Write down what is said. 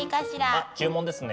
あ注文ですね。